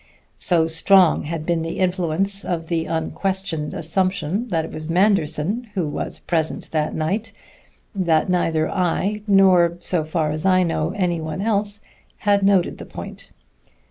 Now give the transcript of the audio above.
So strong had been the influence of the unquestioned assumption that it was Manderson who was present that night, that neither I nor, so far as I know, any one else had noted the point.